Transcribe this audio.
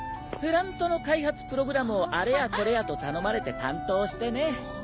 プラントの開発プログラムをあれやこれやと頼まれて担当してね。